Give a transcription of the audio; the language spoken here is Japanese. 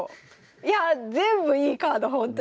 いや全部いいカードほんとに。